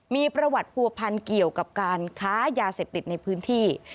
มีประวัติผัวพันเกี่ยวกับการค้ายาเสพติดในพื้นที่